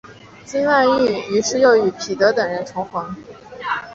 金万燮于是又与彼得等人重逢。